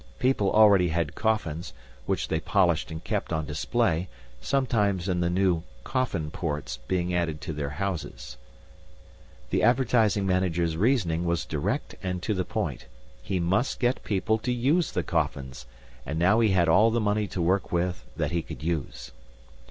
People already had coffins, which they polished and kept on display, sometimes in the new "Coffin ports" being added to houses. The Advertising Manager's reasoning was direct and to the point. He must get people to use the coffins; and now he had all the money to work with that he could use.